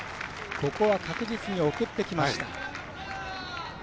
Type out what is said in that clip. ここは確実に送ってきました。